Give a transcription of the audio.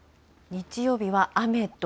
日曜日は雨と。